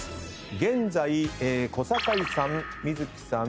現在小堺さん観月さん